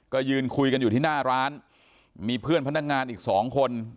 ก็ยืนคุยกันอยู่ที่หน้าร้านมีเพื่อนพนักงานอีกสองคน